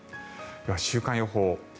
では、週間予報。